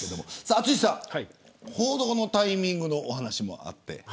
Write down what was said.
淳さん、報道のタイミングのお話もあって。